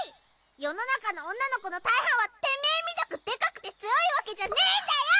世の中の女の子の大半はてめぇみたくでかくて強いわけじゃねぇんだよ！